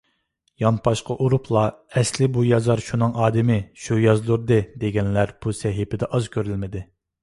يانپاشقا ئۇرۇپلا ئەسلىي بۇ يازار شۇنىڭ ئادىمى، شۇ يازدۇردى، دېگەنلەر بۇ سەھىپىدە ئاز كۆرۈلمىدى.